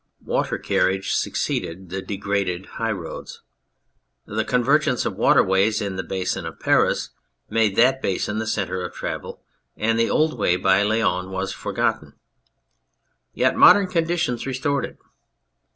Water carriage succeeded the degraded high roads. The conver gence of water ways in the basin of Paris made that basin the centre of travel, and the old way by Laon was forgotten. Yet modern conditions restored it.